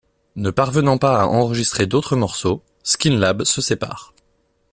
Ne parvenant pas à enregistrer d'autres morceaux, Skinlab se sépare.